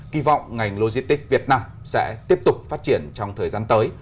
kỳ vọng ngành logistics việt nam sẽ tiếp tục phát triển trong thời gian tới